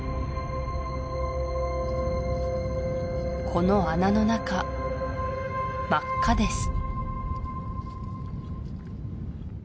この穴の中真っ赤です